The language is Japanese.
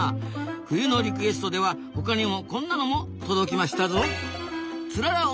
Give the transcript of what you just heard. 冬のリクエストでは他にもこんなのも届きましたぞ。